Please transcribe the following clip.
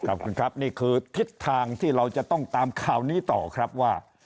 ขอบคุณครับนี่คือทิศทางที่เราจะต้องตามข่าวนี้ต่อครับว่า